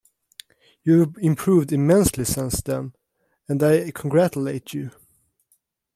You've improved immensely since then, and I congratulate you.